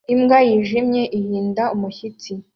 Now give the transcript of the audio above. Imbwa yijimye ihinda umushyitsi